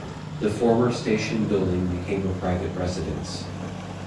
The former station building became a private residence.